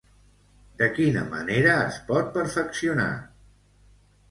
De quina manera es pot perfeccionar?